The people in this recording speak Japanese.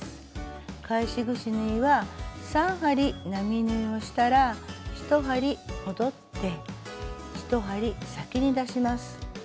返しぐし縫いは３針並縫いをしたら１針戻って１針先に出します。